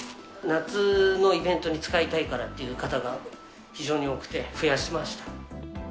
夏のイベントに使いたいからっていう方が非常に多くて、増やしました。